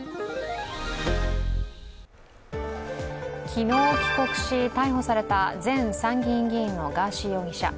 昨日帰国し、逮捕された前参議院議員のガーシー容疑者。